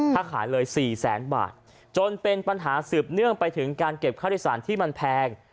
ถ้าขายเลย๔แสนบาทจนเป็นปัญหาสืบเนื่องไปถึงการเก็บค่าโดยสารที่มันแพง